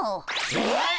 えっ！